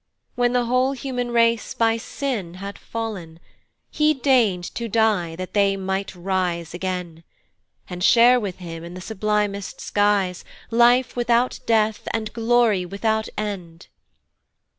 When the whole human race by sin had fall'n, He deign'd to die that they might rise again, And share with him in the sublimest skies, Life without death, and glory without end.